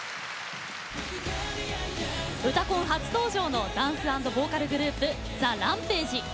「うたコン」初登場のダンス＆ボーカルグループＴＨＥＲＡＭＰＡＧＥ。